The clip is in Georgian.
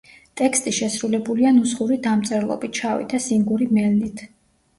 ტექსტი შესრულებულია ნუსხური დამწერლობით, შავი და სინგური მელნით.